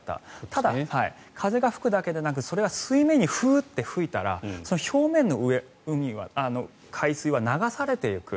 ただ、風が吹くだけでなくそれは水面にフーッと吹いたら表面の海水は流されていく。